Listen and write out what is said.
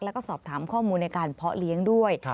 แล้วก็สอบถามข้อมูลในการเพาะเลี้ยงด้วย